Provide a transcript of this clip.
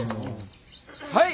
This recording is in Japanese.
はい！